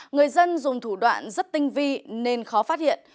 người dân dùng thủ đoạn rất tinh vi nên khó phát hiện